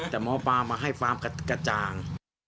แต่หมอปลามาให้ฟาร์มกระจ่าง